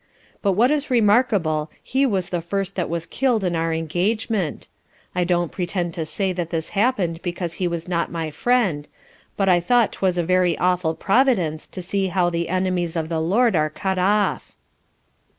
But what is remarkable he was the first that was killed in our engagement. I don't pretend to say that this happen'd because he was not my friend: but I thought 'twas a very awful Providence to see how the enemies of the LORD are cut off.